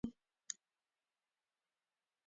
دا مواد څنګه دفع کېږي؟